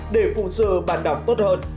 để phùng sự bạn đọc tốt hơn